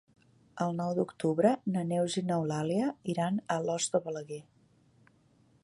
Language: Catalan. El nou d'octubre na Neus i n'Eulàlia iran a Alòs de Balaguer.